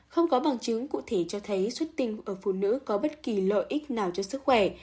không có bằng chứng cụ thể cho thấy xuất tinh ở phụ nữ có bất kỳ lợi ích nào cho sức khỏe